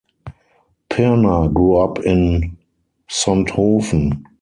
Pirner grew up in Sonthofen.